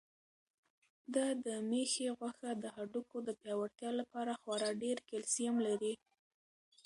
دا د مېښې غوښه د هډوکو د پیاوړتیا لپاره خورا ډېر کلسیم لري.